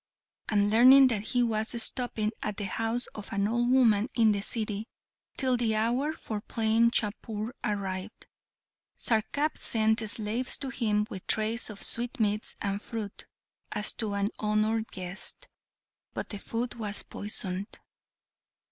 And learning that he was stopping at the house of an old woman in the city, till the hour for playing chaupur arrived, Sarkap sent slaves to him with trays of sweetmeats and fruit, as to an honoured guest. But the food was poisoned.